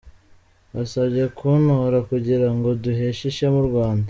Mbasabye kuntora kugira ngo duheshe ishema u Rwanda.